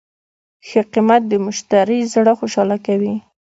ښه قیمت د مشتری زړه خوشحاله کوي.